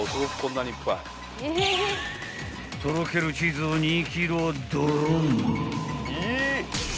［とろけるチーズを２ｋｇドロン］